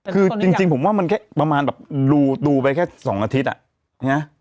คือจริงผมว่ามันแค่ประมาณแบบดูไปแค่๒อาทิตย์